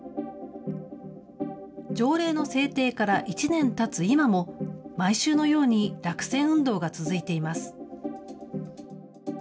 条例の制定から１年たつ今も、毎週のように落選運動が続いています。